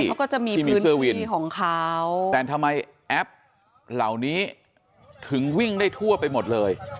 ใช่เขาก็จะมีพื้นที่ของเขาแต่ทำไมแอปเหล่านี้ถึงวิ่งได้ทั่วไปหมดเลย